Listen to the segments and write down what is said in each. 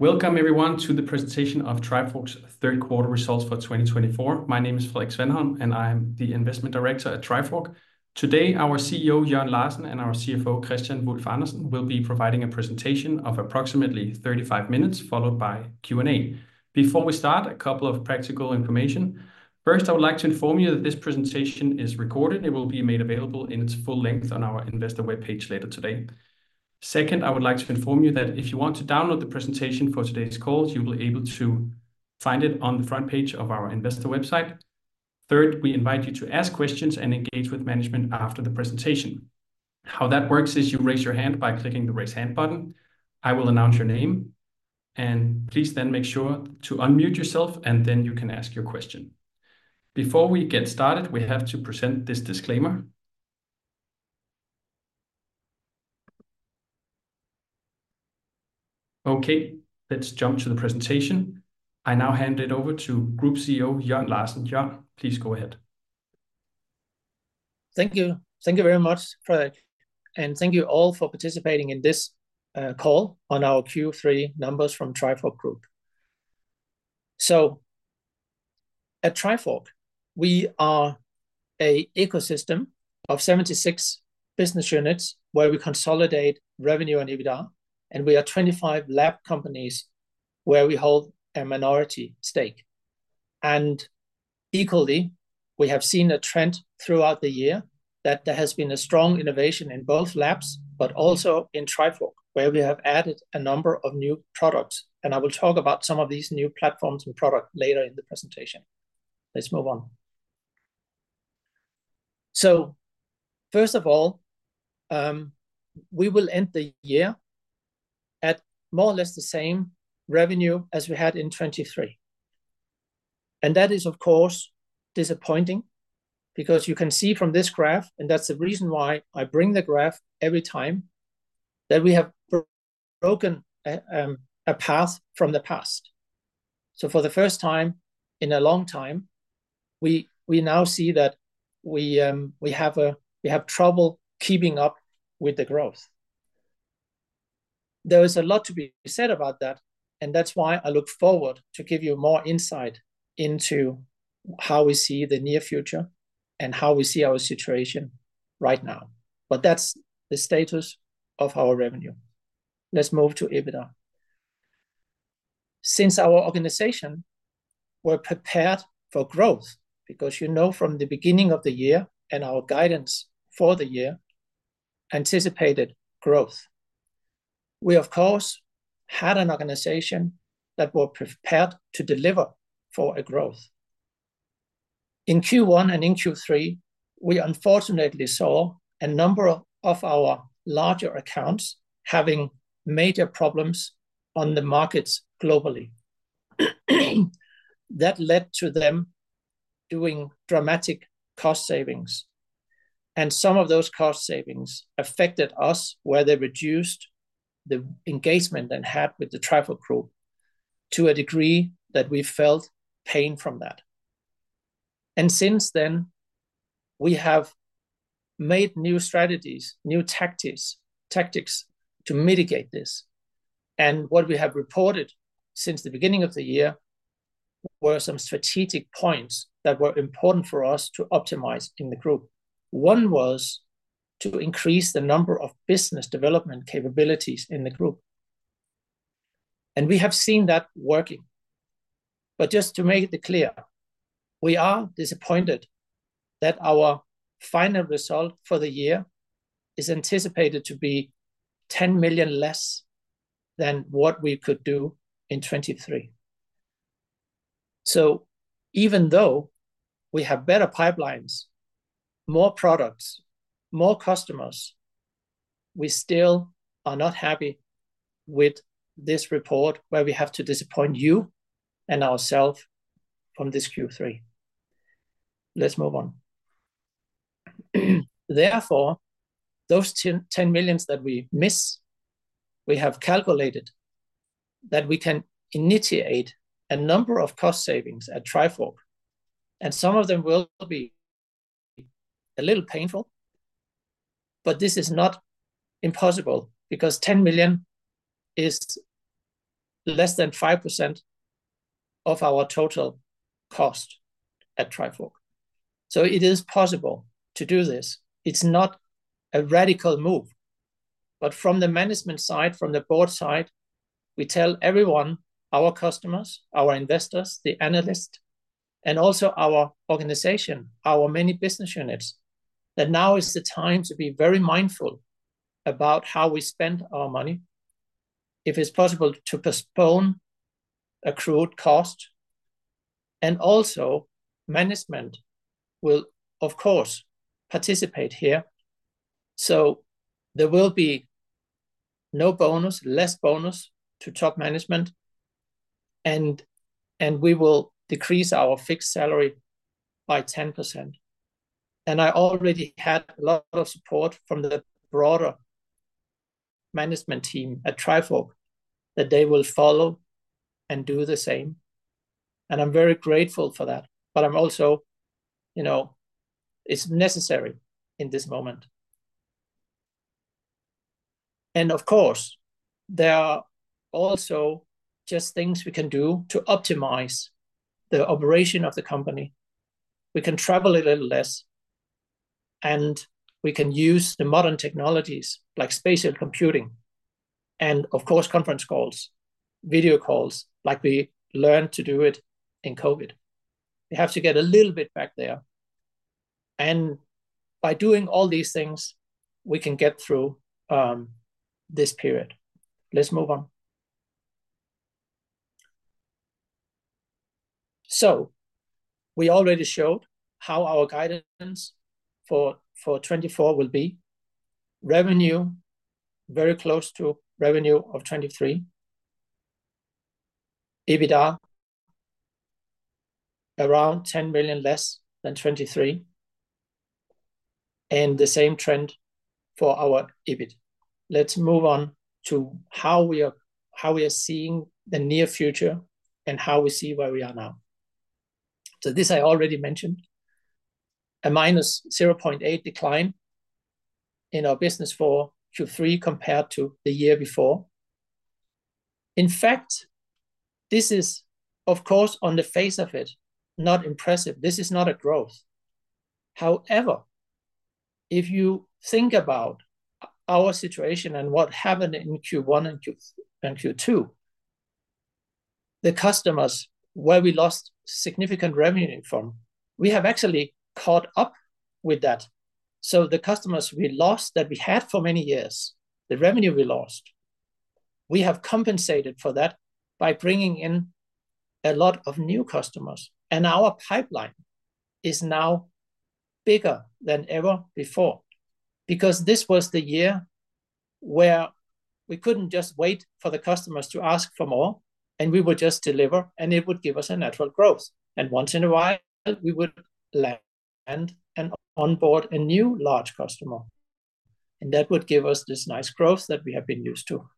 Welcome, everyone, to the presentation of Trifork's Third Quarter Results for 2024. My name is Frederik Svanholm, and I'm the Investment Director at Trifork. Today, our CEO, Jørn Larsen, and our CFO, Kristian Wulf-Andersen, will be providing a presentation of approximately 35 minutes, followed by Q&A. Before we start, a couple of practical information. First, I would like to inform you that this presentation is recorded. It will be made available in its full length on our investor web page later today. Second, I would like to inform you that if you want to download the presentation for today's calls, you will be able to find it on the front page of our investor website. Third, we invite you to ask questions and engage with management after the presentation. How that works is you raise your hand by clicking the raise hand button. I will announce your name, and please then make sure to unmute yourself, and then you can ask your question. Before we get started, we have to present this disclaimer. Okay, let's jump to the presentation. I now hand it over to Group CEO, Jørn Larsen. Jørn, please go ahead. Thank you. Thank you very much, Frederik, and thank you all for participating in this call on our Q3 numbers from Trifork Group. So, at Trifork, we are an ecosystem of 76 business units where we consolidate revenue and EBITDA, and we are 25 lab companies where we hold a minority stake. And equally, we have seen a trend throughout the year that there has been a strong innovation in both Labs, but also in Trifork, where we have added a number of new products. And I will talk about some of these new platforms and products later in the presentation. Let's move on. So, first of all, we will end the year at more or less the same revenue as we had in 2023. That is, of course, disappointing because you can see from this graph, and that's the reason why I bring the graph every time, that we have broken a path from the past. For the first time in a long time, we now see that we have trouble keeping up with the growth. There is a lot to be said about that, and that's why I look forward to giving you more insight into how we see the near future and how we see our situation right now. That's the status of our revenue. Let's move to EBITDA. Since our organization was prepared for growth, because you know from the beginning of the year and our guidance for the year anticipated growth, we, of course, had an organization that was prepared to deliver for growth. In Q1 and in Q3, we unfortunately saw a number of our larger accounts having major problems on the markets globally. That led to them doing dramatic cost savings. And some of those cost savings affected us, where they reduced the engagement they had with the Trifork Group to a degree that we felt pain from that. And since then, we have made new strategies, new tactics to mitigate this. And what we have reported since the beginning of the year were some strategic points that were important for us to optimize in the group. One was to increase the number of business development capabilities in the group. And we have seen that working. But just to make it clear, we are disappointed that our final result for the year is anticipated to be 10 million less than what we could do in 2023. So, even though we have better pipelines, more products, more customers, we still are not happy with this report where we have to disappoint you and ourselves from this Q3. Let's move on. Therefore, those 10 million that we miss, we have calculated that we can initiate a number of cost savings at Trifork. And some of them will be a little painful, but this is not impossible because 10 million is less than 5% of our total cost at Trifork. So, it is possible to do this. It's not a radical move. But from the management side, from the board side, we tell everyone, our customers, our investors, the analysts, and also our organization, our many business units, that now is the time to be very mindful about how we spend our money, if it's possible to postpone accrued cost. And also, management will, of course, participate here. So, there will be no bonus, less bonus to top management, and we will decrease our fixed salary by 10%. And I already had a lot of support from the broader management team at Trifork that they will follow and do the same. And I'm very grateful for that, but I'm also, you know, it's necessary in this moment. And of course, there are also just things we can do to optimize the operation of the company. We can travel a little less, and we can use the modern technologies like spatial computing and, of course, conference calls, video calls, like we learned to do it in COVID. We have to get a little bit back there. And by doing all these things, we can get through this period. Let's move on. So, we already showed how our guidance for 2024 will be. Revenue very close to revenue of 2023. EBITDA around EUR 10 million less than 2023, and the same trend for our EBIT. Let's move on to how we are seeing the near future and how we see where we are now. So, this I already mentioned, a -0.8% decline in our business for Q3 compared to the year before. In fact, this is, of course, on the face of it, not impressive. This is not a growth. However, if you think about our situation and what happened in Q1 and Q2, the customers where we lost significant revenue from, we have actually caught up with that. So, the customers we lost that we had for many years, the revenue we lost, we have compensated for that by bringing in a lot of new customers. Our pipeline is now bigger than ever before because this was the year where we couldn't just wait for the customers to ask for more, and we would just deliver, and it would give us a natural growth. And once in a while, we would land and onboard a new large customer. And that would give us this nice growth that we have been used to.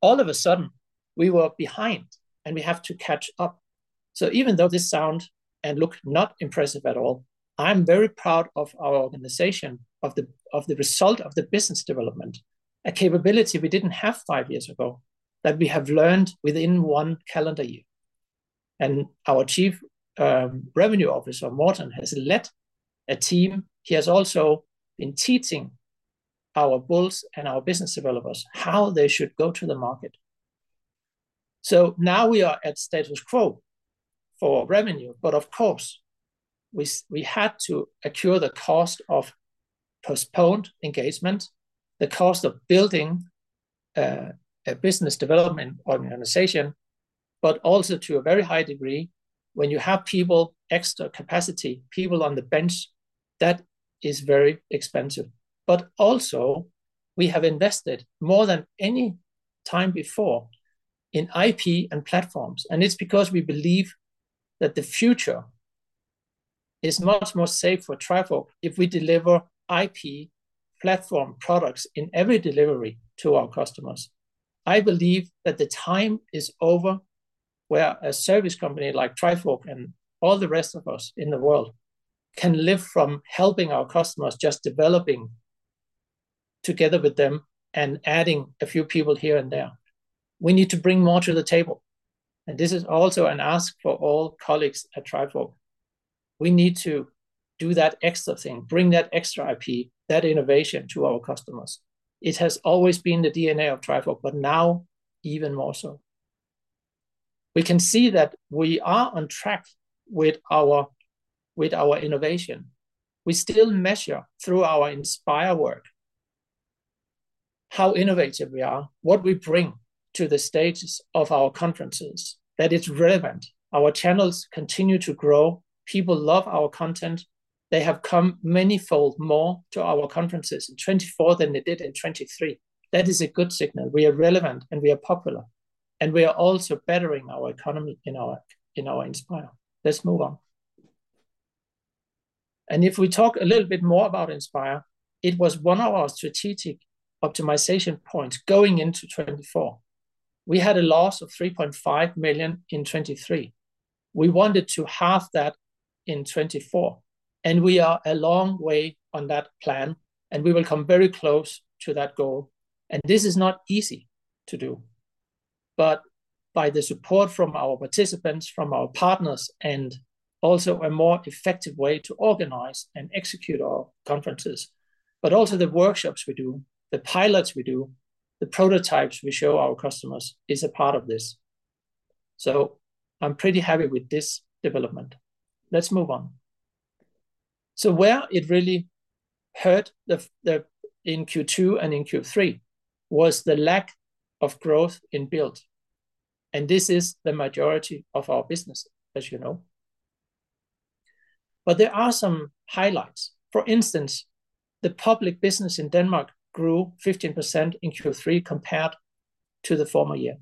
All of a sudden, we were behind, and we have to catch up. So, even though this sounds and looks not impressive at all, I'm very proud of our organization, of the result of the business development, a capability we didn't have five years ago that we have learned within one calendar year. And our Chief Revenue Officer, Morten, has led a team. He has also been teaching our sales and our business developers how they should go to the market. Now we are at status quo for revenue, but of course, we had to accrue the cost of postponed engagement, the cost of building a business development organization, but also to a very high degree, when you have people, extra capacity, people on the bench, that is very expensive. But also, we have invested more than any time before in IP and platforms. And it's because we believe that the future is much more safe for Trifork if we deliver IP platform products in every delivery to our customers. I believe that the time is over where a service company like Trifork and all the rest of us in the world can live from helping our customers just developing together with them and adding a few people here and there. We need to bring more to the table. And this is also an ask for all colleagues at Trifork. We need to do that extra thing, bring that extra IP, that innovation to our customers. It has always been the DNA of Trifork, but now even more so. We can see that we are on track with our innovation. We still measure through our Inspire work how innovative we are, what we bring to the stages of our conferences, that it's relevant. Our channels continue to grow. People love our content. They have come manifold more to our conferences in 2024 than they did in 2023. That is a good signal. We are relevant, and we are popular and we are also bettering our economy in our Inspire. Let's move on. If we talk a little bit more about Inspire, it was one of our strategic optimization points going into 2024. We had a loss of 3.5 million in 2023. We wanted to halve that in 2024. We are a long way on that plan, and we will come very close to that goal. This is not easy to do, but by the support from our participants, from our partners, and also a more effective way to organize and execute our conferences, but also the workshops we do, the pilots we do, the prototypes we show our customers is a part of this. I'm pretty happy with this development. Let's move on. Where it really hurt in Q2 and in Q3 was the lack of growth in Build. This is the majority of our business, as you know. There are some highlights. For instance, the public business in Denmark grew 15% in Q3 compared to the former year.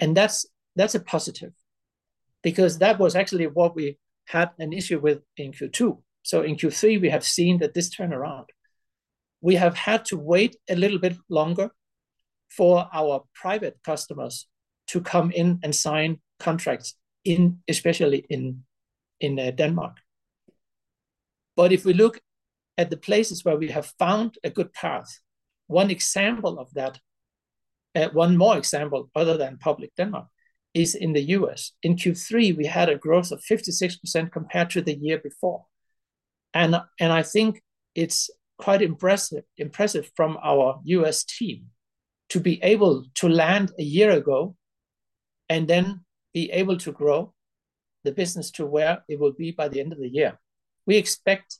That's a positive because that was actually what we had an issue with in Q2. So, in Q3, we have seen that this turnaround. We have had to wait a little bit longer for our private customers to come in and sign contracts, especially in Denmark. But if we look at the places where we have found a good path, one example of that, one more example other than public Denmark, is in the U.S. In Q3, we had a growth of 56% compared to the year before. And I think it's quite impressive from our U.S. team to be able to land a year ago and then be able to grow the business to where it will be by the end of the year. We expect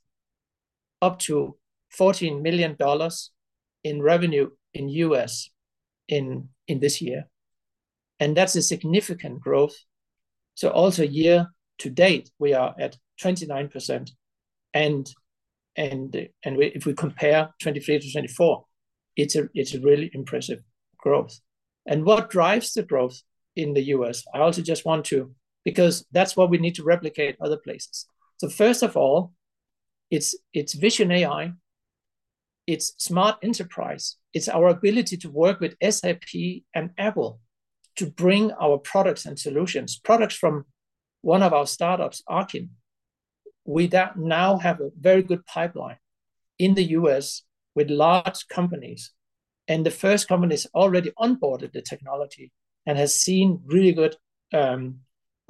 up to $14 million in revenue in the U.S. in this year. And that's a significant growth. So, also year to date, we are at 29%. And if we compare 2023 to 2024, it's a really impressive growth. What drives the growth in the U.S.? I also just want to, because that's what we need to replicate other places. First of all, it's Vision AI. It's Smart Enterprise. It's our ability to work with SAP and Apple to bring our products and solutions, products from one of our startups, Arkyn. We now have a very good pipeline in the U.S. with large companies. The first company has already onboarded the technology and has seen really good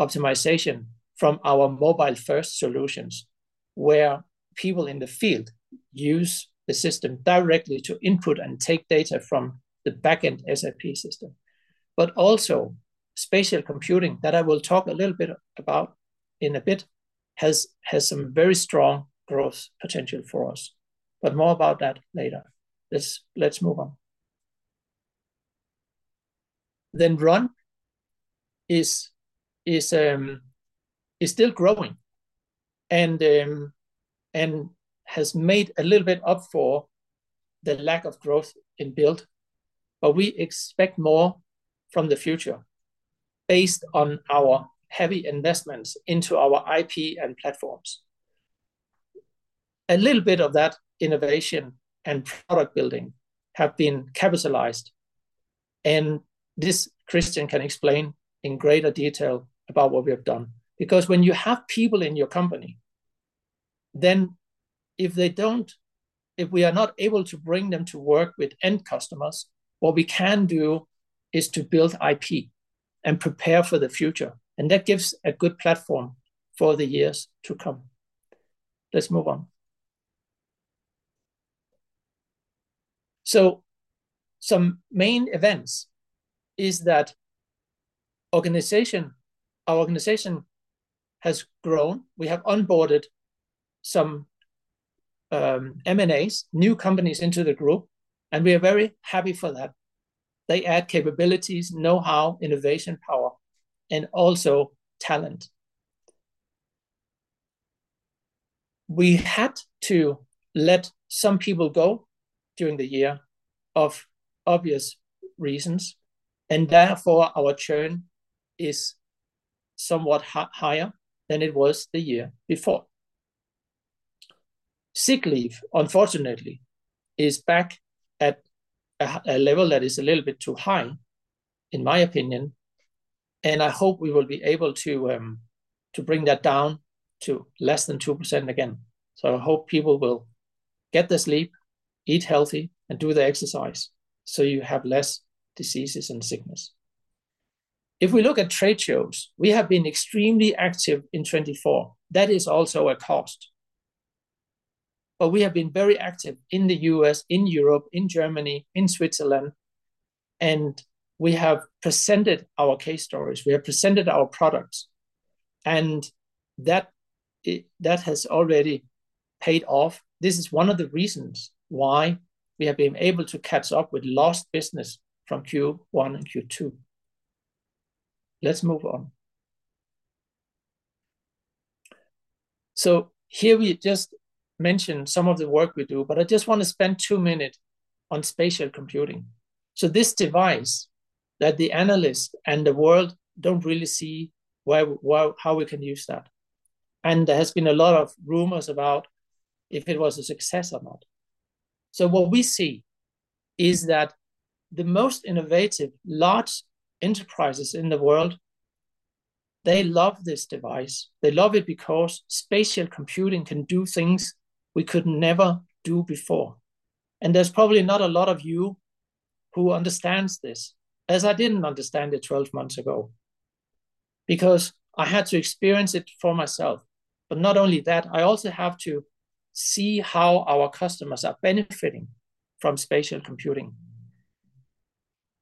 optimization from our mobile-first solutions, where people in the field use the system directly to input and take data from the backend SAP system. But also, spatial computing that I will talk a little bit about in a bit has some very strong growth potential for us. More about that later. Let's move on. Run is still growing and has made a little bit up for the lack of growth in Build. But we expect more from the future based on our heavy investments into our IP and platforms. A little bit of that innovation and product building have been capitalized. And this, Kristian can explain in greater detail about what we have done. Because when you have people in your company, then if we are not able to bring them to work with end customers, what we can do is to build IP and prepare for the future. And that gives a good platform for the years to come. Let's move on. Some main events is that our organization has grown. We have onboarded some M&As, new companies into the group, and we are very happy for that. They add capabilities, know-how, innovation power, and also talent. We had to let some people go during the year for obvious reasons. Therefore, our churn is somewhat higher than it was the year before. Sick leave, unfortunately, is back at a level that is a little bit too high, in my opinion. I hope we will be able to bring that down to less than 2% again. I hope people will get their sleep, eat healthy, and do their exercise so you have less diseases and sickness. If we look at trade shows, we have been extremely active in 2024. That is also a cost. We have been very active in the U.S., in Europe, in Germany, in Switzerland. We have presented our case stories. We have presented our products. That has already paid off. This is one of the reasons why we have been able to catch up with lost business from Q1 and Q2. Let's move on. So, here we just mentioned some of the work we do, but I just want to spend two minutes on spatial computing. So, this device that the analysts and the world don't really see how we can use that. And there has been a lot of rumors about if it was a success or not. So, what we see is that the most innovative large enterprises in the world, they love this device. They love it because spatial computing can do things we could never do before. And there's probably not a lot of you who understand this, as I didn't understand it 12 months ago because I had to experience it for myself. But not only that, I also have to see how our customers are benefiting from spatial computing.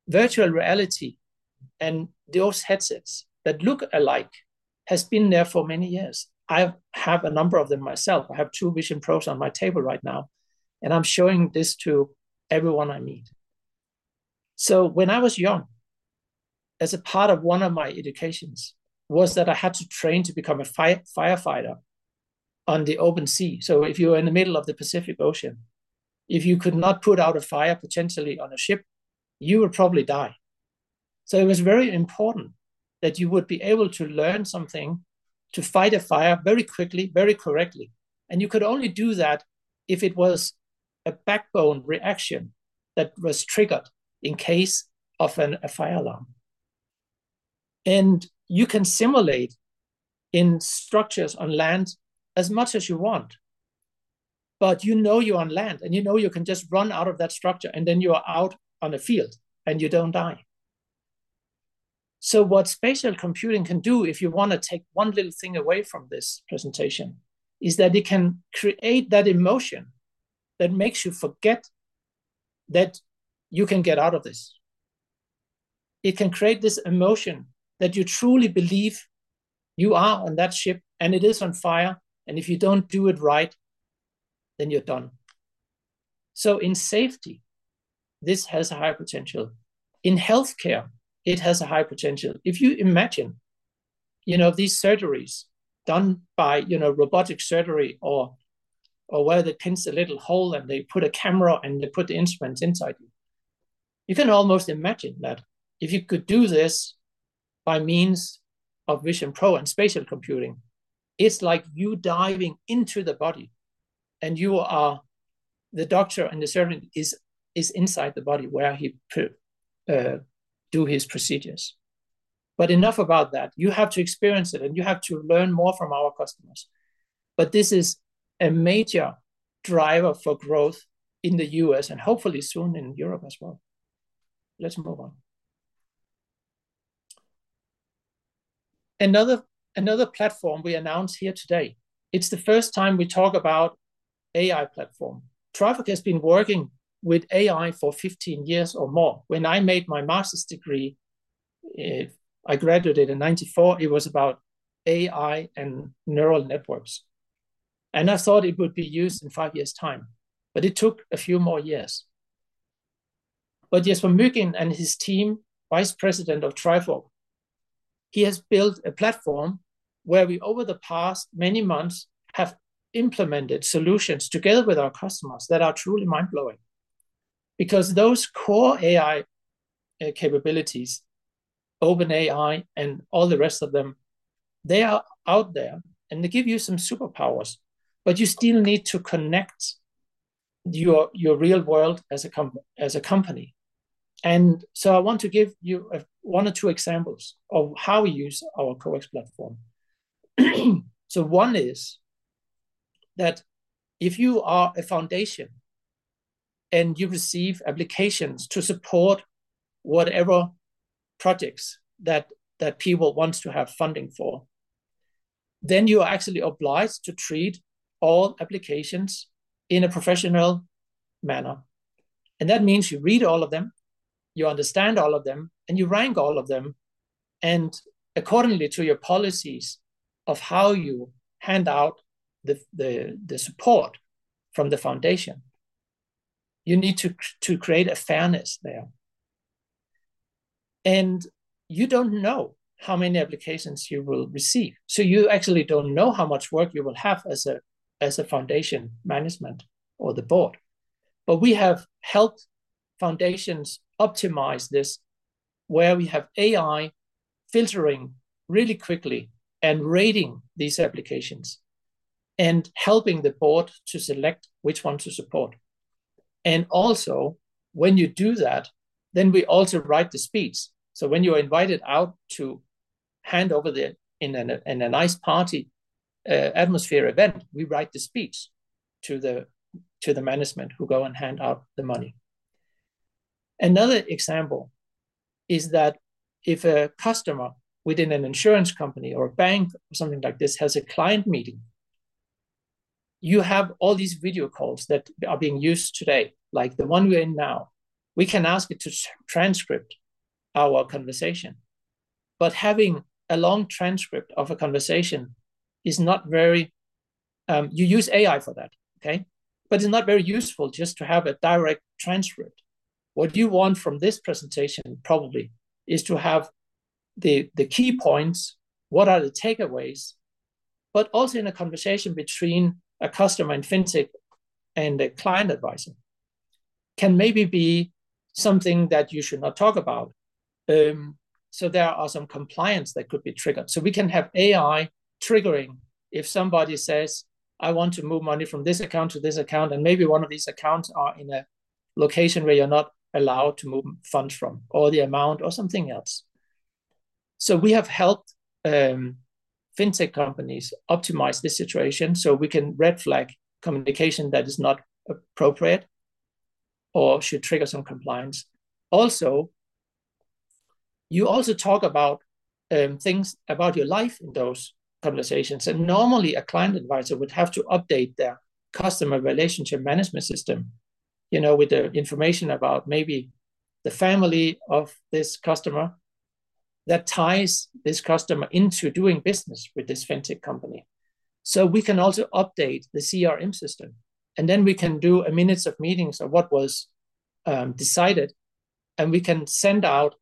Virtual reality and those headsets that look alike have been there for many years. I have a number of them myself. I have two Vision Pros on my table right now, and I'm showing this to everyone I meet. So, when I was young, as a part of one of my educations, was that I had to train to become a firefighter on the open sea. So, if you were in the middle of the Pacific Ocean, if you could not put out a fire potentially on a ship, you would probably die. So, it was very important that you would be able to learn something to fight a fire very quickly, very correctly. You could only do that if it was a backbone reaction that was triggered in case of a fire alarm. You can simulate in structures on land as much as you want, but you know you're on land, and you know you can just run out of that structure, and then you're out on the field, and you don't die. What spatial computing can do, if you want to take one little thing away from this presentation, is that it can create that emotion that makes you forget that you can get out of this. It can create this emotion that you truly believe you are on that ship, and it is on fire. If you don't do it right, then you're done. In safety, this has a high potential. In healthcare, it has a high potential. If you imagine, you know, these surgeries done by, you know, robotic surgery or where they pinch the little hole and they put a camera and they put the instruments inside you, you can almost imagine that if you could do this by means of Vision Pro and spatial computing, it's like you diving into the body, and you are the doctor, and the surgeon is inside the body where he does his procedures. But enough about that. You have to experience it, and you have to learn more from our customers. But this is a major driver for growth in the U.S. and hopefully soon in Europe as well. Let's move on. Another platform we announced here today. It's the first time we talk about AI platform. Trifork has been working with AI for 15 years or more. When I made my master's degree, I graduated in 1994. It was about AI and neural networks, and I thought it would be used in five years' time, but it took a few more years, but Jesper Mygind and his team, Vice President of Trifork, he has built a platform where we, over the past many months, have implemented solutions together with our customers that are truly mind-blowing, because those core AI capabilities, OpenAI and all the rest of them, they are out there, and they give you some superpowers, but you still need to connect your real world as a company, and so I want to give you one or two examples of how we use our Corax platform. So, one is that if you are a foundation and you receive applications to support whatever projects that people want to have funding for, then you are actually obliged to treat all applications in a professional manner. And that means you read all of them, you understand all of them, and you rank all of them. And accordingly to your policies of how you hand out the support from the foundation, you need to create fairness there. And you don't know how many applications you will receive. So, you actually don't know how much work you will have as a foundation management or the board. But we have helped foundations optimize this where we have AI filtering really quickly and rating these applications and helping the board to select which one to support. And also, when you do that, then we also write the speech. So, when you are invited out to hand over in a nice party atmosphere event, we write the speech to the management who go and hand out the money. Another example is that if a customer within an insurance company or a bank or something like this has a client meeting, you have all these video calls that are being used today, like the one we're in now. We can ask it to transcribe our conversation. But having a long transcript of a conversation is not very, you use AI for that, okay? But it's not very useful just to have a direct transcript. What you want from this presentation probably is to have the key points, what are the takeaways, but also in a conversation between a customer and FinTech and a client advisor can maybe be something that you should not talk about. So, there are some compliance that could be triggered, so we can have AI triggering if somebody says, "I want to move money from this account to this account," and maybe one of these accounts are in a location where you're not allowed to move funds from or the amount or something else, so we have helped FinTech companies optimize this situation so we can red flag communication that is not appropriate or should trigger some compliance. Also, you also talk about things about your life in those conversations, and normally, a client advisor would have to update their customer relationship management system, you know, with the information about maybe the family of this customer that ties this customer into doing business with this FinTech company, so we can also update the CRM system. And then we can do minutes of meetings or what was decided, and we can send out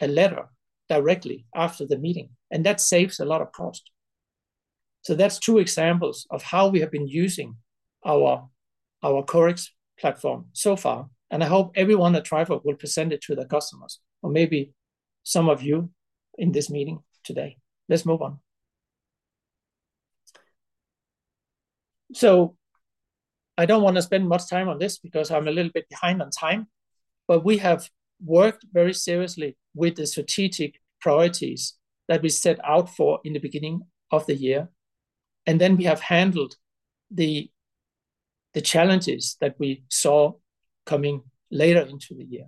a letter directly after the meeting. And that saves a lot of cost. So, that's two examples of how we have been using our Corax platform so far. And I hope everyone at Trifork will present it to the customers or maybe some of you in this meeting today. Let's move on. So, I don't want to spend much time on this because I'm a little bit behind on time, but we have worked very seriously with the strategic priorities that we set out for in the beginning of the year. And then we have handled the challenges that we saw coming later into the year.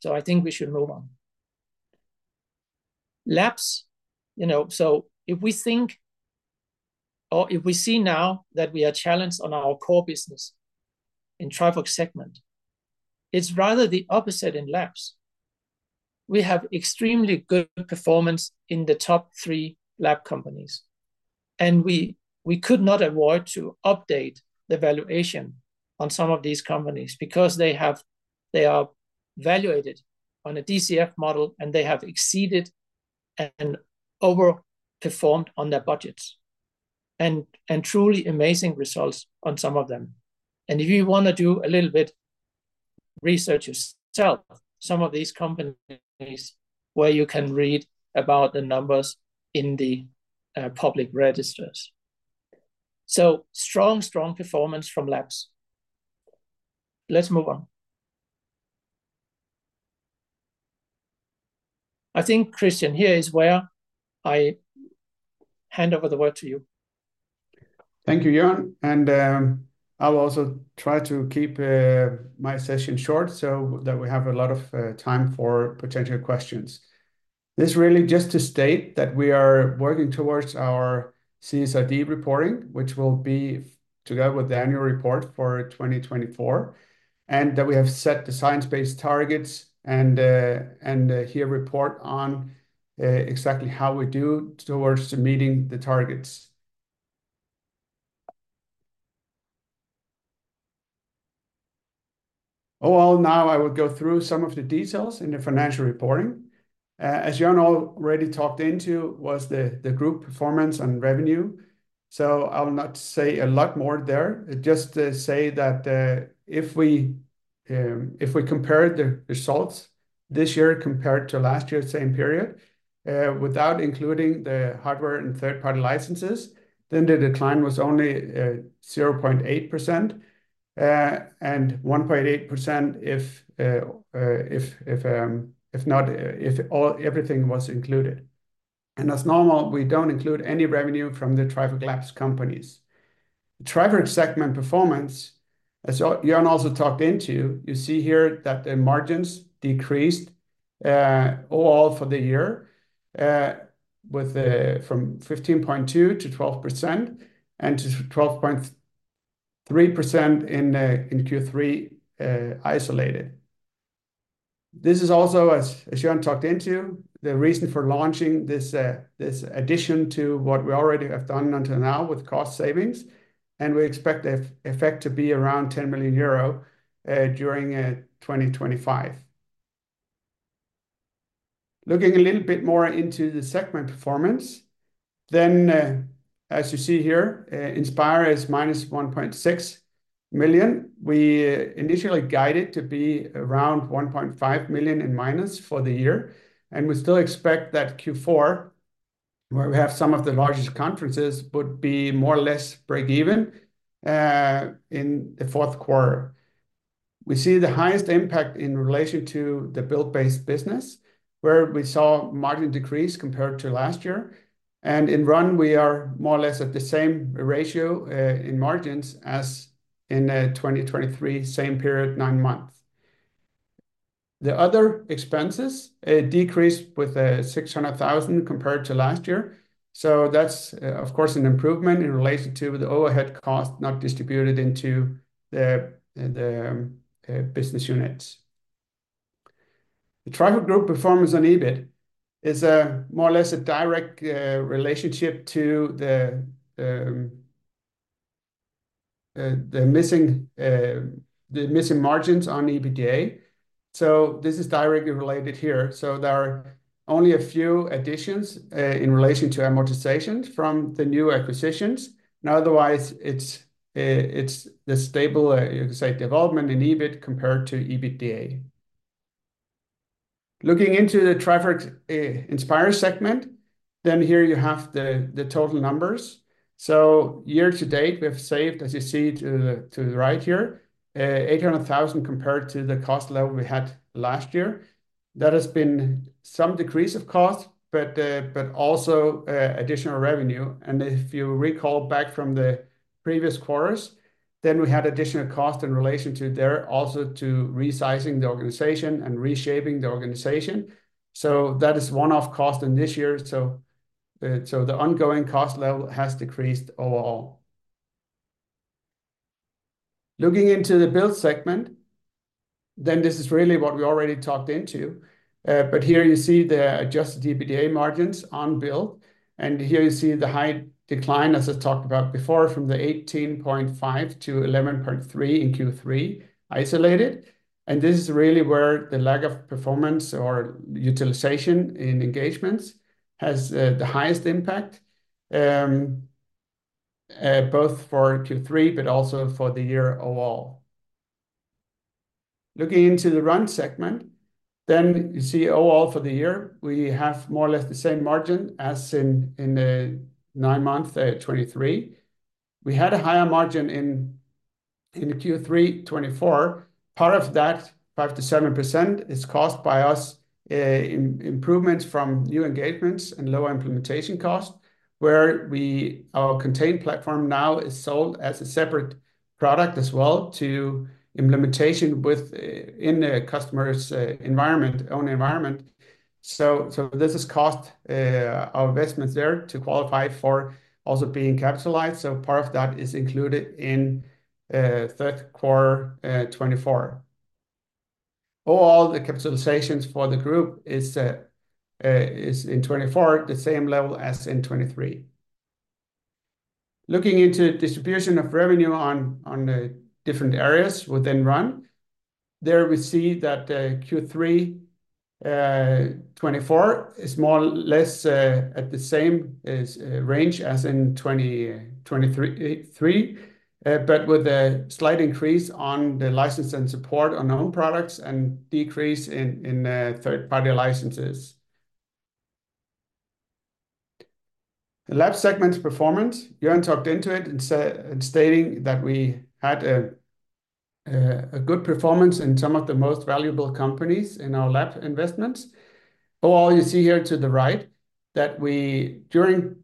So, I think we should move on. Labs, you know, so if we think or if we see now that we are challenged on our core business in Trifork segment, it's rather the opposite in Labs. We have extremely good performance in the top three lab companies. And we could not avoid to update the valuation on some of these companies because they are valuated on a DCF model, and they have exceeded and overperformed on their budgets. And truly amazing results on some of them. And if you want to do a little bit research yourself, some of these companies where you can read about the numbers in the public registers. So, strong, strong performance from Labs. Let's move on. I think, Kristian, here is where I hand over the word to you. Thank you, Jørn. And I'll also try to keep my session short so that we have a lot of time for potential questions. This really just to state that we are working towards our CSRD reporting, which will be together with the annual report for 2024, and that we have set the science-based targets and here report on exactly how we do towards meeting the targets. Oh, well, now I will go through some of the details in the financial reporting. As Jørn already talked into, was the group performance on revenue. So, I'll not say a lot more there. Just to say that if we compare the results this year compared to last year's same period, without including the hardware and third-party licenses, then the decline was only 0.8% and 1.8% if not, if everything was included. And as normal, we don't include any revenue from the Trifork Labs companies. Trifork segment performance, as Jørn also touched on, you see here that the margins decreased overall for the year from 15.2%-12% and to 12.3% in Q3 isolated. This is also, as Jørn touched on, the reason for launching this addition to what we already have done until now with cost savings, and we expect the effect to be around 10 million euro during 2025. Looking a little bit more into the segment performance, then as you see here, Inspire is -1.6 million. We initially guided to be around 1.5 million in minus for the year, and we still expect that Q4, where we have some of the largest conferences, would be more or less break-even in the fourth quarter. We see the highest impact in relation to the Build-based business, where we saw margin decrease compared to last year. In Run, we are more or less at the same ratio in margins as in the 2023 same period, nine months. The other expenses decreased with 600,000 compared to last year. That's, of course, an improvement in relation to the overhead cost not distributed into the business units. The Trifork Group performance on EBIT is more or less a direct relationship to the missing margins on EBITDA. This is directly related here. There are only a few additions in relation to amortization from the new acquisitions. Otherwise, it's the stable, you could say, development in EBIT compared to EBITDA. Looking into the Trifork Inspire segment, here you have the total numbers. Year to date, we have saved, as you see to the right here, 800,000 compared to the cost level we had last year. That has been some decrease of cost, but also additional revenue. And if you recall back from the previous quarters, then we had additional cost in relation to there also to resizing the organization and reshaping the organization. So, that is one-off cost in this year. So, the ongoing cost level has decreased overall. Looking into the Build segment, then this is really what we already talked into. But here you see the adjusted EBITDA margins on Build. And here you see the high decline, as I talked about before, from 18.5%-11.3% in Q3 isolated. And this is really where the lag of performance or utilization in engagements has the highest impact, both for Q3, but also for the year overall. Looking into the Run segment, then you see overall for the year, we have more or less the same margin as in the nine months 2023. We had a higher margin in Q3 2024. Part of that, 5%-7%, is caused by us improvements from new engagements and lower implementation cost, where our contained platform now is sold as a separate product as well to implementation within the customer's own environment. So, this has caused our investments there to qualify for also being capitalized. So, part of that is included in third quarter 2024. Overall, the capitalization for the group is in 2024, the same level as in 2023. Looking into distribution of revenue on different areas within run, there we see that Q3 2024 is more or less at the same range as in 2023, but with a slight increase on the license and support on own products and decrease in third-party licenses. The Labs segment's performance, Jørn talked about it and stating that we had a good performance in some of the most valuable companies in our lab investments. Overall, you see here to the right that we, during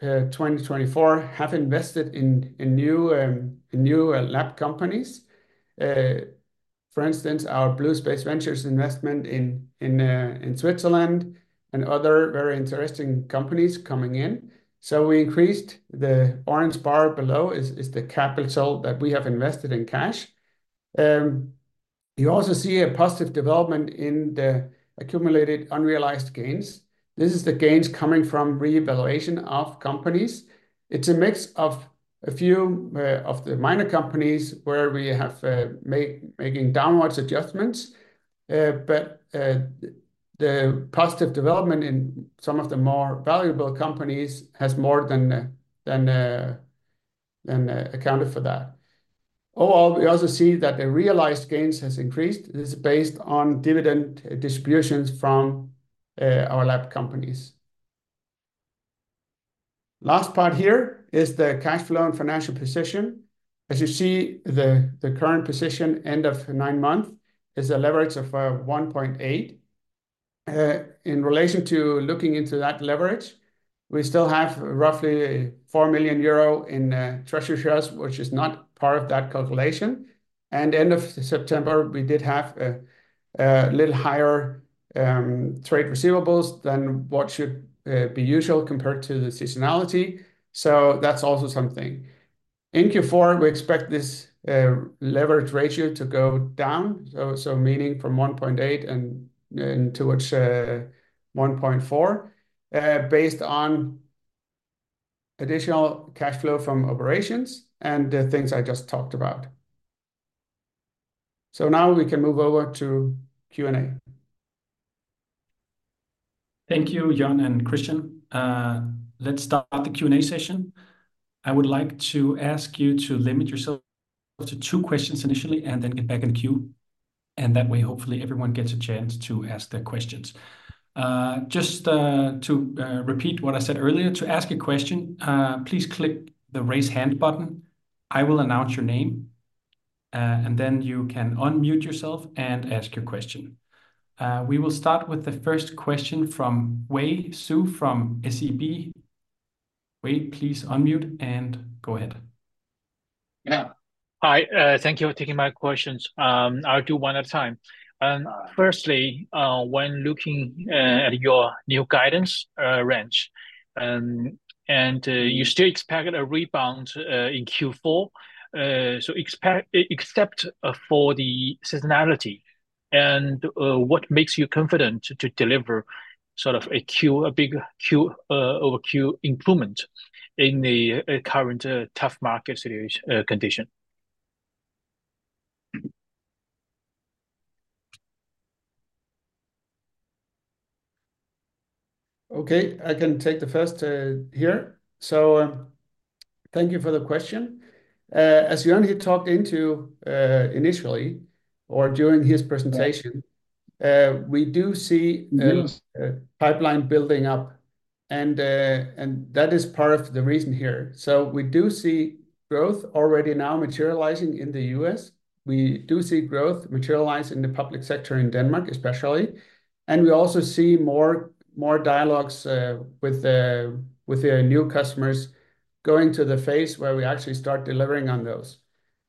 2024, have invested in new lab companies. For instance, our Bluespace Ventures investment in Switzerland and other very interesting companies coming in. So, we increased. The orange bar below is the capital that we have invested in cash. You also see a positive development in the accumulated unrealized gains. This is the gains coming from reevaluation of companies. It is a mix of a few of the minor companies where we have been making downwards adjustments. But the positive development in some of the more valuable companies has more than accounted for that. Overall, we also see that the realized gains have increased. This is based on dividend distributions from our lab companies. Last part here is the cash flow and financial position. As you see, the current position end of nine months is a leverage of 1.8. In relation to looking into that leverage, we still have roughly 4 million euro in treasury shares, which is not part of that calculation. And end of September, we did have a little higher trade receivables than what should be usual compared to the seasonality. So, that's also something. In Q4, we expect this leverage ratio to go down, meaning from 1.8 and towards 1.4 based on additional cash flow from operations and the things I just talked about. So, now we can move over to Q&A. Thank you, Jørn and Kristian. Let's start the Q&A session. I would like to ask you to limit yourself to two questions initially and then get back in queue. And that way, hopefully, everyone gets a chance to ask their questions. Just to repeat what I said earlier, to ask a question, please click the raise hand button. I will announce your name, and then you can unmute yourself and ask your question. We will start with the first question from Wei Su from SEB. Wei, please unmute and go ahead. Yeah. Hi. Thank you for taking my questions. I'll do one at a time. Firstly, when looking at your new guidance range, and you still expect a rebound in Q4, so except for the seasonality, and what makes you confident to deliver sort of a big Q over Q improvement in the current tough market condition? Okay. I can take the first here. So, thank you for the question. As Jørn had talked into initially or during his presentation, we do see a pipeline building up. That is part of the reason here. We do see growth already now materializing in the US. We do see growth materializing in the public sector in Denmark, especially. We also see more dialogues with the new customers going to the phase where we actually start delivering on those.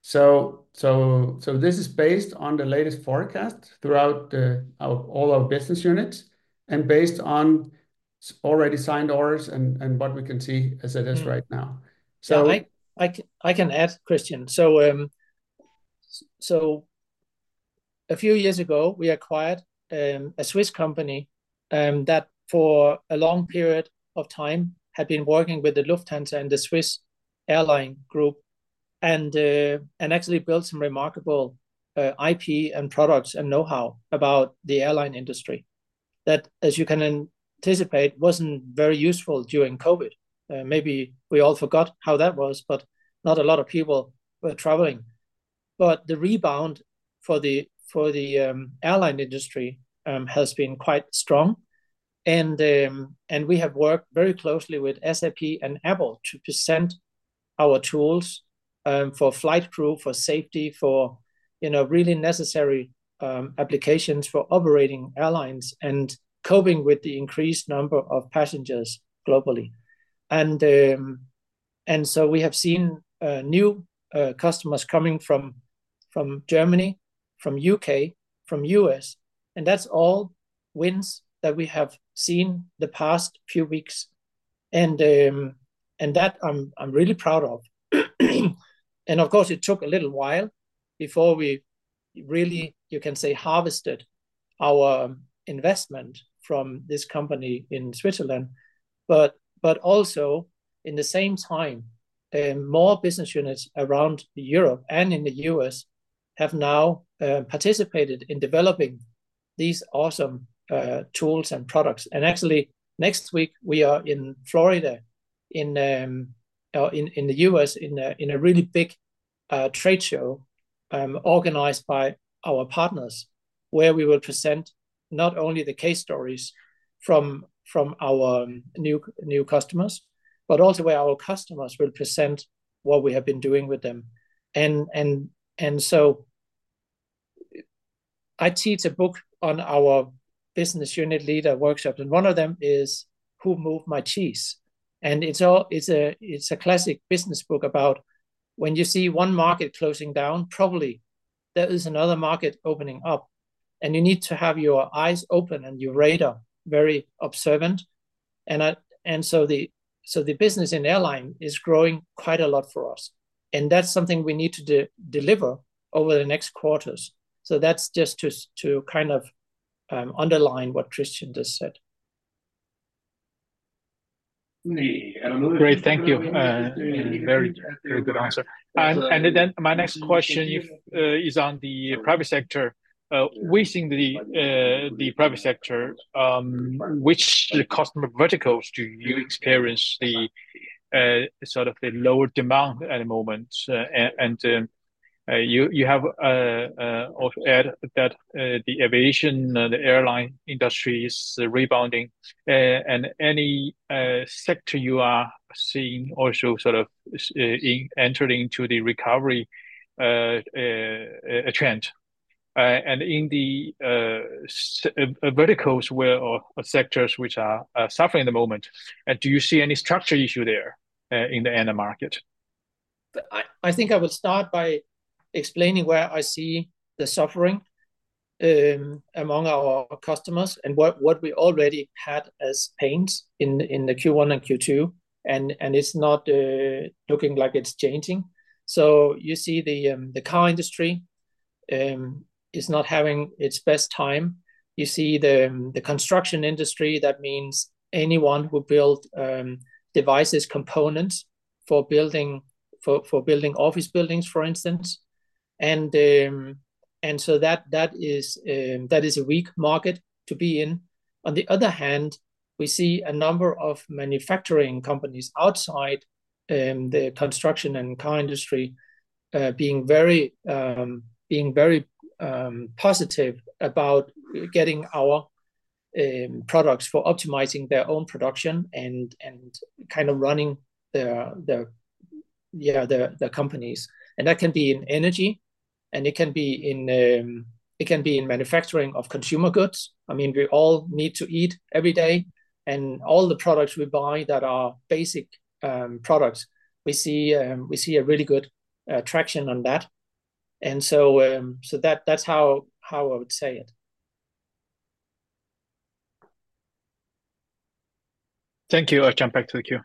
This is based on the latest forecast throughout all our business units and based on already signed orders and what we can see as it is right now. I can add, Kristian. A few years ago, we acquired a Swiss company that for a long period of time had been working with the Lufthansa and the Swiss airline group and actually built some remarkable IP and products and know-how about the airline industry that, as you can anticipate, wasn't very useful during COVID. Maybe we all forgot how that was, but not a lot of people were traveling. But the rebound for the airline industry has been quite strong. And we have worked very closely with SAP and Apple to present our tools for flight crew, for safety, for really necessary applications for operating airlines and coping with the increased number of passengers globally. And so, we have seen new customers coming from Germany, from the U.K., from the U.S. And that's all wins that we have seen the past few weeks. And that I'm really proud of. And of course, it took a little while before we really, you can say, harvested our investment from this company in Switzerland. But also, in the same time, more business units around Europe and in the U.S. have now participated in developing these awesome tools and products. Actually, next week, we are in Florida, in the U.S., in a really big trade show organized by our partners, where we will present not only the case stories from our new customers, but also where our customers will present what we have been doing with them. And so, I teach a book on our business unit leader workshops. And one of them is Who Moved My Cheese. And it's a classic business book about when you see one market closing down, probably there is another market opening up. And you need to have your eyes open and your radar very observant. And so, the business in airline is growing quite a lot for us. And that's something we need to deliver over the next quarters. So, that's just to kind of underline what Kristian just said. Great. Thank you. Very good answer. And then my next question is on the private sector. We're seeing the private sector. Which customer verticals do you experience sort of lower demand at the moment? And you have also added that the aviation, the airline industry is rebounding. And any sector you are seeing also sort of entering into the recovery trend? And in the verticals or sectors which are suffering at the moment, do you see any structural issue there in their market? I think I would start by explaining where I see the suffering among our customers and what we already had as pains in the Q1 and Q2. And it's not looking like it's changing. So, you see the car industry is not having its best time. You see the construction industry. That means anyone who builds devices, components for building office buildings, for instance. That is a weak market to be in. On the other hand, we see a number of manufacturing companies outside the construction and car industry being very positive about getting our products for optimizing their own production and kind of running the companies. And that can be in energy. And it can be in manufacturing of consumer goods. I mean, we all need to eat every day. And all the products we buy that are basic products, we see a really good traction on that. And so, that's how I would say it. Thank you. I'll jump back to the queue.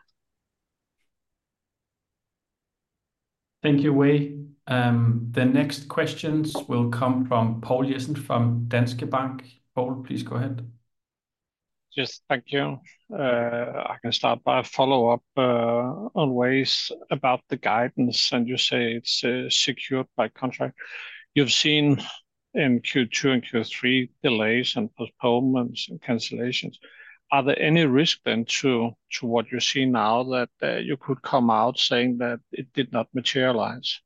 Thank you, Wei. The next questions will come from Poul Jessen from Danske Bank. Poul, please go ahead. Just thank you. I can start by a follow-up always about the guidance. And you say it's secured by contract. You've seen in Q2 and Q3 delays, postponements, and cancellations. Are there any risks then to what you see now that you could come out saying that it did not materialize?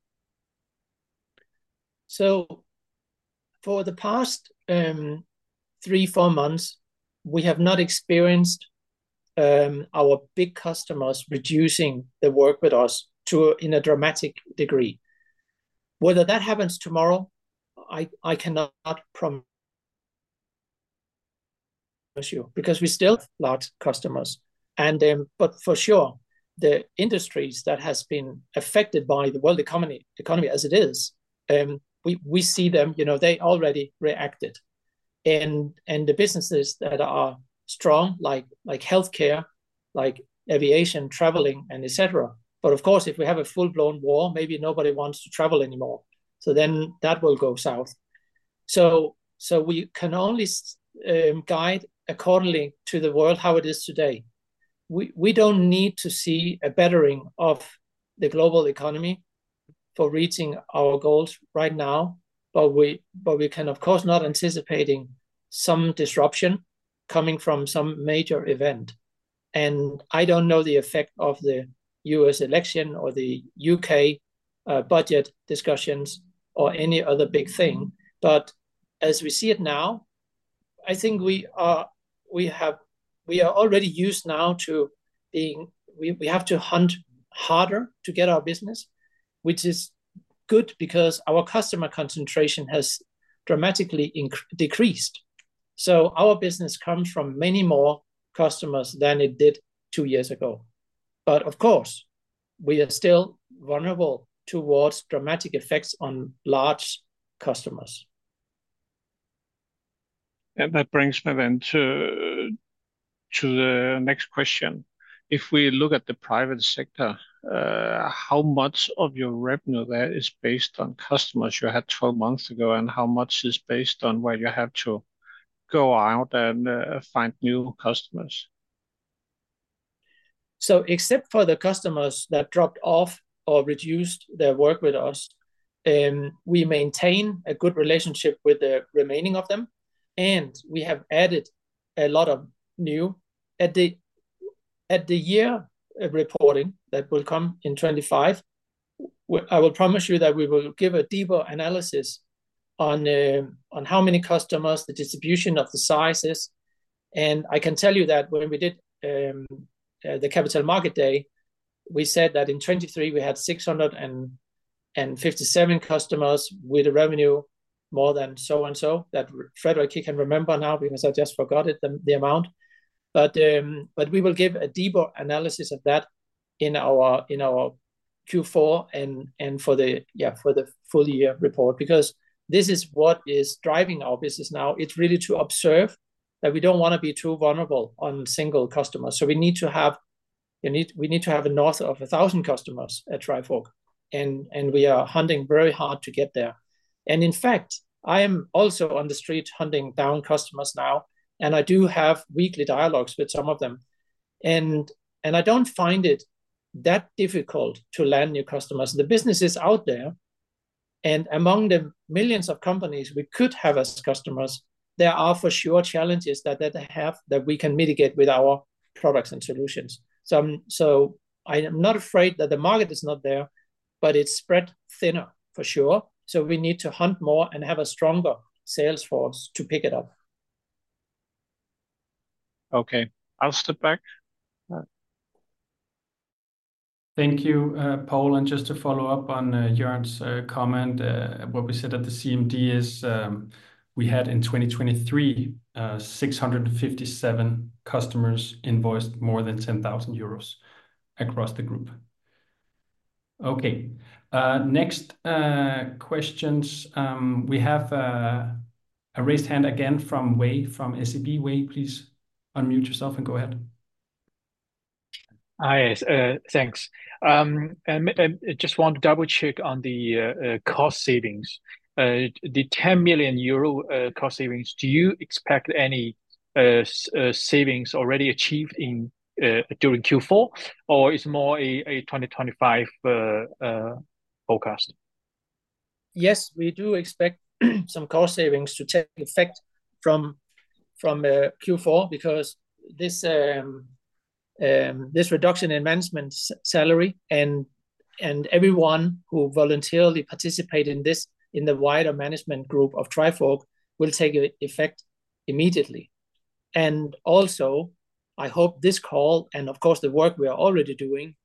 So, for the past three, four months, we have not experienced our big customers reducing the work with us to a dramatic degree. Whether that happens tomorrow, I cannot promise you because we still have large customers. But for sure, the industries that have been affected by the world economy as it is, we see them, they already reacted. And the businesses that are strong, like healthcare, like aviation, traveling, etc. But of course, if we have a full-blown war, maybe nobody wants to travel anymore. So then that will go south. So, we can only guide accordingly to the world how it is today. We don't need to see a bettering of the global economy for reaching our goals right now. But we can, of course, not anticipate some disruption coming from some major event. And I don't know the effect of the U.S. election or the U.K. budget discussions or any other big thing. But as we see it now, I think we are already used now to being we have to hunt harder to get our business, which is good because our customer concentration has dramatically decreased. So, our business comes from many more customers than it did two years ago. But of course, we are still vulnerable towards dramatic effects on large customers. And that brings me then to the next question. If we look at the private sector, how much of your revenue there is based on customers you had 12 months ago and how much is based on where you have to go out and find new customers? Except for the customers that dropped off or reduced their work with us, we maintain a good relationship with the remaining of them. We have added a lot of new at the year reporting that will come in 2025. I will promise you that we will give a deeper analysis on how many customers, the distribution of the sizes. I can tell you that when we did the Capital Market Day, we said that in 2023, we had 657 customers with a revenue more than so and so that Frederik, he can remember now because I just forgot the amount. But we will give a deeper analysis of that in our Q4 and for the full year report because this is what is driving our business now. It's really to observe that we don't want to be too vulnerable on single customers. So, we need to have north of 1,000 customers at Trifork. And we are hunting very hard to get there. And in fact, I am also on the street hunting down customers now. And I do have weekly dialogues with some of them. And I don't find it that difficult to land new customers. The business is out there. And among the millions of companies we could have as customers, there are for sure challenges that we can mitigate with our products and solutions. So, I am not afraid that the market is not there, but it's spread thinner for sure. We need to hunt more and have a stronger sales force to pick it up. Okay. I'll step back. Thank you, Poul. Just to follow up on Jørn's comment, what we said at the CMD is we had in 2023, 657 customers invoiced more than 10,000 euros across the group. Okay. Next questions. We have a raised hand again from Wei fro m SEB. Wei, please unmute yourself and go ahead. Hi. Thanks. I just want to double-check on the cost savings. The 10 million euro cost savings, do you expect any savings already achieved during Q4, or is it more a 2025 forecast? Yes, we do expect some cost savings to take effect from Q4 because this reduction in management salary and everyone who voluntarily participated in this in the wider management group of Trifork will take effect immediately. And also, I hope this call and, of course, the work we are already doing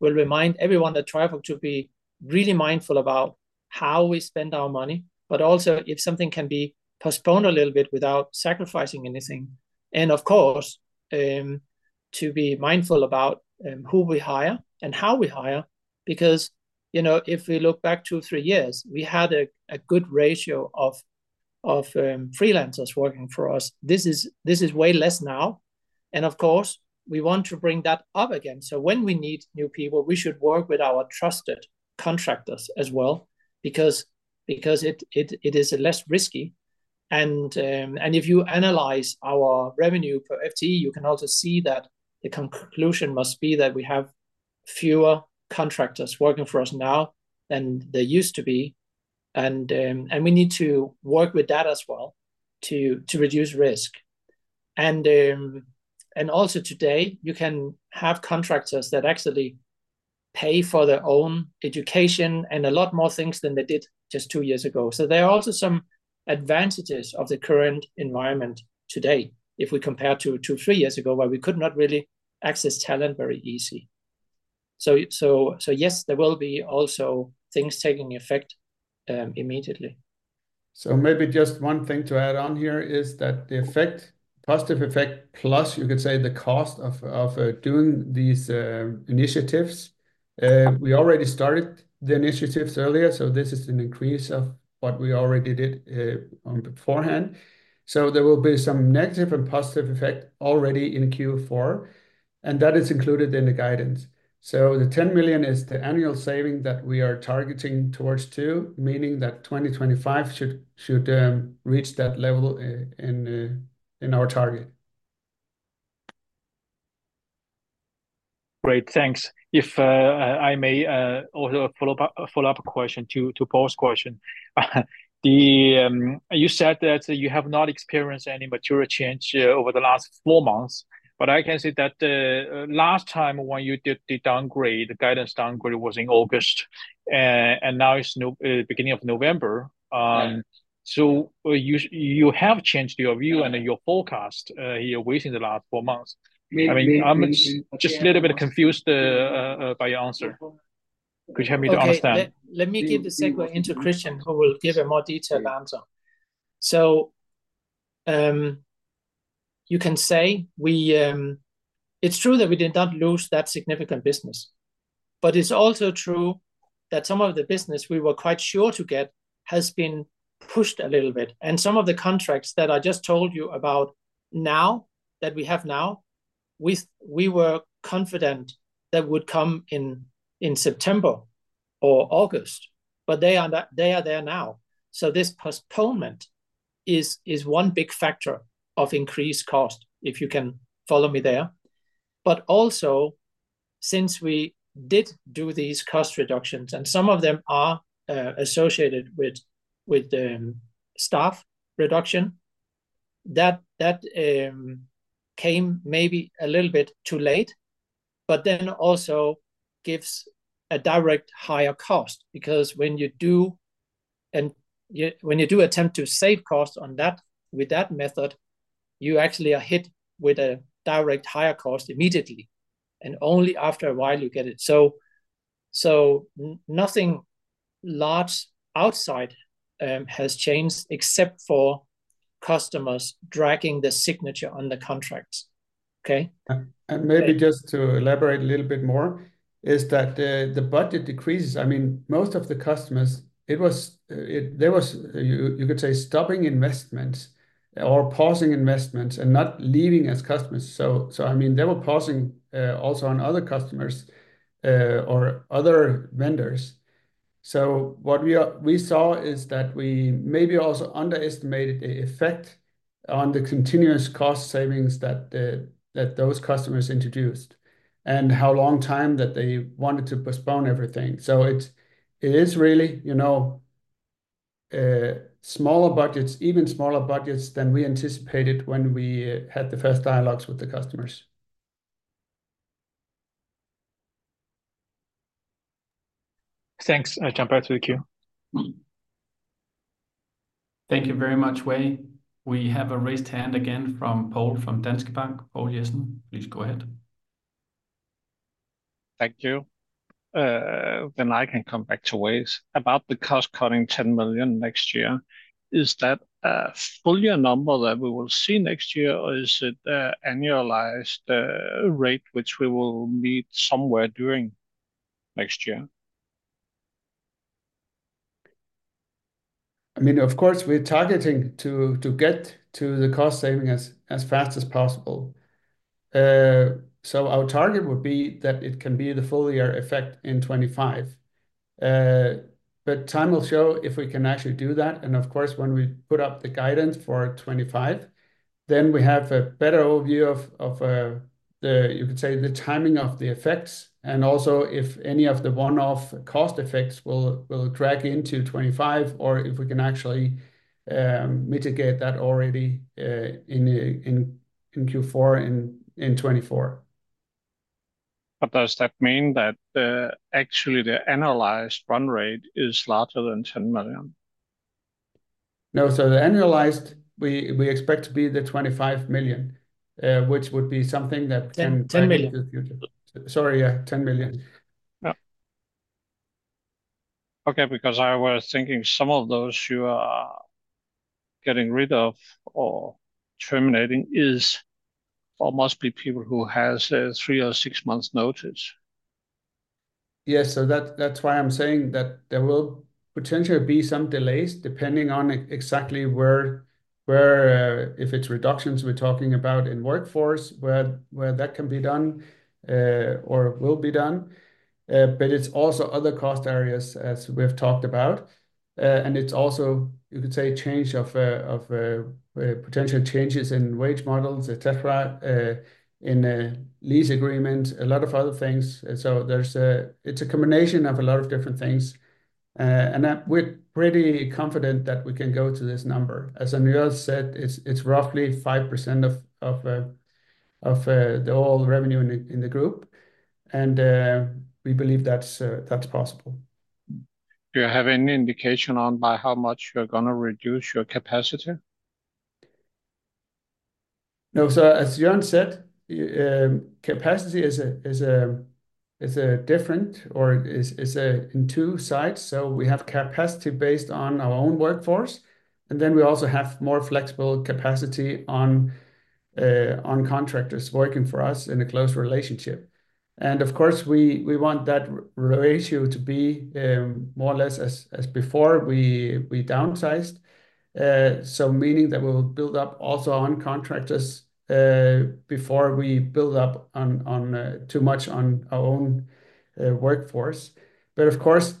will remind everyone at Trifork to be really mindful about how we spend our money, but also if something can be postponed a little bit without sacrificing anything. And of course, to be mindful about who we hire and how we hire because if we look back two or three years, we had a good ratio of freelancers working for us. This is way less now. And of course, we want to bring that up again. So, when we need new people, we should work with our trusted contractors as well because it is less risky. And if you analyze our revenue per FTE, you can also see that the conclusion must be that we have fewer contractors working for us now than there used to be. We need to work with that as well to reduce risk. Also today, you can have contractors that actually pay for their own education and a lot more things than they did just two years ago. There are also some advantages of the current environment today if we compare to three years ago where we could not really access talent very easily. Yes, there will be also things taking effect immediately. Maybe just one thing to add on here is that the effect, positive effect plus, you could say, the cost of doing these initiatives. We already started the initiatives earlier. This is an increase of what we already did beforehand. There will be some negative and positive effect already in Q4. That is included in the guidance. So, the 10 million is the annual saving that we are targeting towards too, meaning that 2025 should reach that level in our target. Great. Thanks. If I may also follow up a question to Poul's question. You said that you have not experienced any material change over the last four months. But I can say that last time when you did the downgrade, the guidance downgrade was in August. And now it's the beginning of November. So, you have changed your view and your forecast here within the last four months. I mean, I'm just a little bit confused by your answer. Could you help me to understand? Let me give the segue into Kristian, who will give a more detailed answer. So, you can say it's true that we did not lose that significant business. But it's also true that some of the business we were quite sure to get has been pushed a little bit. And some of the contracts that I just told you about now that we have now, we were confident that would come in September or August. But they are there now. So, this postponement is one big factor of increased cost, if you can follow me there. But also, since we did do these cost reductions, and some of them are associated with staff reduction, that came maybe a little bit too late, but then also gives a direct higher cost because when you do attempt to save costs with that method, you actually are hit with a direct higher cost immediately. And only after a while, you get it. So, nothing large outside has changed except for customers dragging the signature on the contracts. Okay? And maybe just to elaborate a little bit more is that the budget decreases. I mean, most of the customers, there was, you could say, stopping investments or pausing investments and not leaving as customers. So, I mean, they were pausing also on other customers or other vendors. So, what we saw is that we maybe also underestimated the effect on the continuous cost savings that those customers introduced and how long time that they wanted to postpone everything. So, it is really smaller budgets, even smaller budgets than we anticipated when we had the first dialogues with the customers. Thanks. I'll jump back to the queue. Thank you very much, Wei. We have a raised hand again from Poul from Danske Bank. Poul Jessen, please go ahead. Thank you. Then I can come back to Wei's about the cost cutting 10 million next year. Is that fully a number that we will see next year, or is it an annualized rate which we will meet somewhere during next year? I mean, of course, we're targeting to get to the cost saving as fast as possible. So, our target would be that it can be the full year effect in 2025. But time will show if we can actually do that. And of course, when we put up the guidance for 2025, then we have a better overview of, you could say, the timing of the effects and also if any of the one-off cost effects will drag into 2025 or if we can actually mitigate that already in Q4 in 2024. But does that mean that actually the annualized run rate is larger than 10 million? No, so the annualized, we expect to be the 25 million, which would be something that can be in the future. Sorry, yeah, 10 million. Okay, because I was thinking some of those you are getting rid of or terminating is almost people who have three or six months' notice. Yes, so that's why I'm saying that there will potentially be some delays depending on exactly where if it's reductions we're talking about in workforce where that can be done or will be done. But it's also other cost areas as we've talked about. And it's also, you could say, change of potential changes in wage models, etc., in lease agreements, a lot of other things. So, it's a combination of a lot of different things. And we're pretty confident that we can go to this number. As Jørn said, it's roughly 5% of the all revenue in the group. And we believe that's possible. Do you have any indication on by how much you're going to reduce your capacity? No, so as Jørn said, capacity is different or is in two sides. So, we have capacity based on our own workforce. And then we also have more flexible capacity on contractors working for us in a close relationship. And of course, we want that ratio to be more or less as before we downsized. So, meaning that we will build up also on contractors before we build up too much on our own workforce. But of course,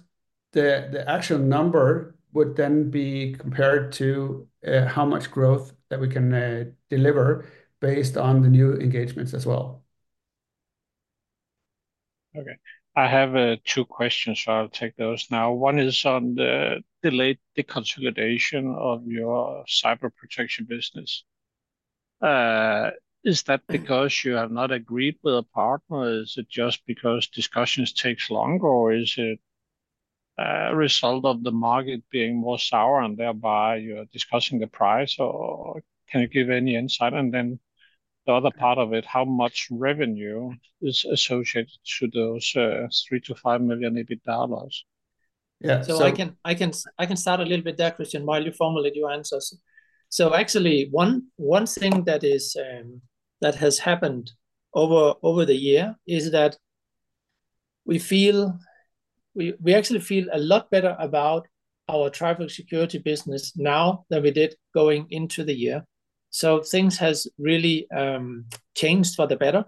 the actual number would then be compared to how much growth that we can deliver based on the new engagements as well. Okay. I have two questions, so I'll take those now. One is on the delayed deconsolidation of your cyber protection business. Is that because you have not agreed with a partner? Is it just because discussions take longer, or is it a result of the market being more sour and thereby you're discussing the price? Or can you give any insight? And then the other part of it, how much revenue is associated to those $3-$5 million? Yeah, so I can start a little bit there, Kristian, while you formulate your answers. So, actually, one thing that has happened over the year is that we actually feel a lot better about our cyber security business now than we did going into the year. So, things have really changed for the better.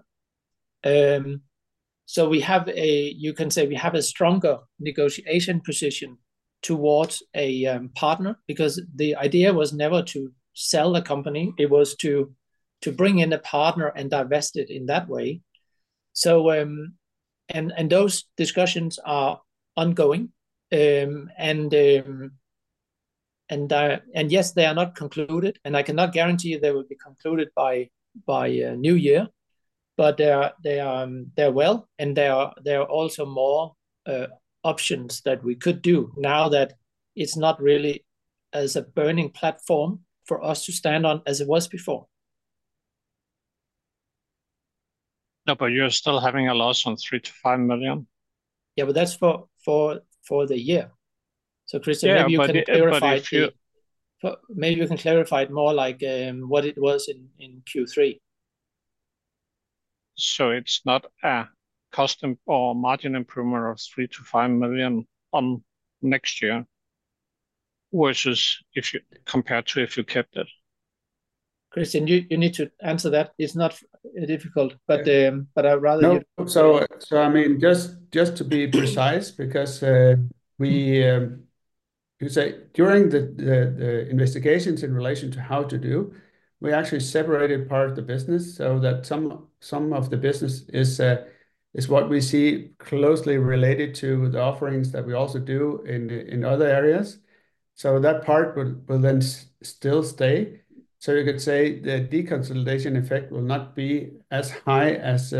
So, you can say we have a stronger negotiation position towards a partner because the idea was never to sell a company. It was to bring in a partner and divest it in that way. Those discussions are ongoing. Yes, they are not concluded. I cannot guarantee that they will be concluded by New Year. But they are well. There are also more options that we could do now that it's not really as a burning platform for us to stand on as it was before. No, but you're still having a loss of 3-5 million. Yeah, but that's for the year. So, Kristian, maybe you can clarify it more like what it was in Q3. So, it's not a custom or margin improvement of 3-5 million next year versus compared to if you kept it? Kristian, you need to answer that. It's not difficult, but I'd rather you answer. So, I mean, just to be precise, because during the investigations in relation to how to do, we actually separated part of the business so that some of the business is what we see closely related to the offerings that we also do in other areas. So, that part will then still stay. So, you could say the deconsolidation effect will not be as high as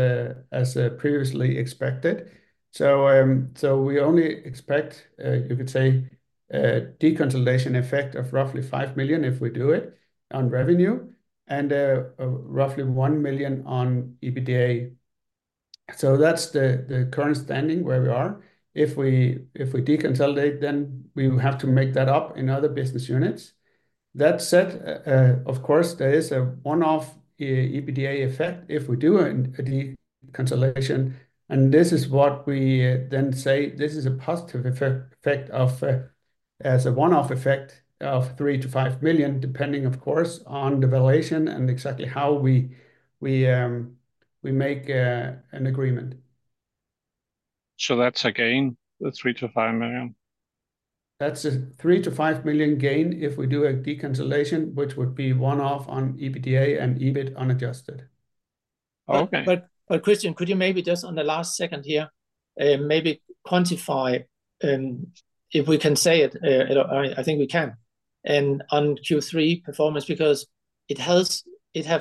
previously expected. So, we only expect, you could say, a deconsolidation effect of roughly 5 million if we do it on revenue and roughly 1 million on EBITDA. So, that's the current standing where we are. If we deconsolidate, then we have to make that up in other business units. That said, of course, there is a one-off EBITDA effect if we do a deconsolidation. And this is what we then say this is a positive effect as a one-off effect of 3-5 million, depending, of course, on the valuation and exactly how we make an agreement. So, that's a gain of 3-5 million? That's a 3-5 million gain if we do a deconsolidation, which would be one-off on EBITDA and EBIT unadjusted. Okay. But Kristian, could you maybe just on the last second here, maybe quantify if we can say it, I think we can, and on Q3 performance because it has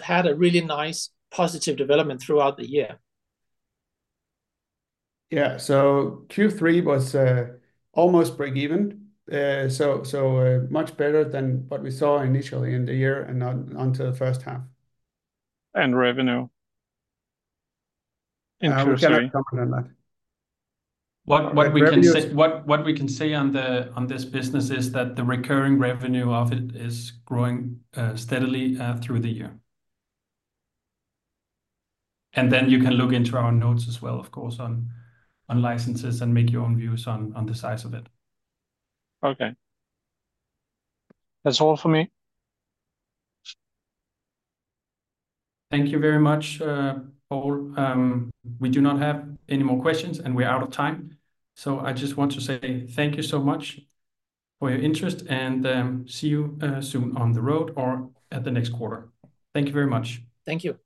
had a really nice positive development throughout the year? Yeah, so Q3 was almost break-even. So, much better than what we saw initially in the year and onto the first half. And revenue? I'm sorry, I'm not. What we can say on this business is that the recurring revenue of it is growing steadily through the year, and then you can look into our notes as well, of course, on licenses and make your own views on the size of it. Okay. That's all for me. Thank you very much, Poul. We do not have any more questions, and we're out of time, so I just want to say thank you so much for your interest and see you soon on the road or at the next quarter. Thank you very much. Thank you.